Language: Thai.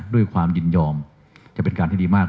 ด้วยความยินยอมจะเป็นการที่ดีมาก